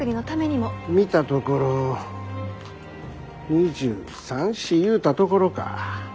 見たところ２３２４ゆうたところか。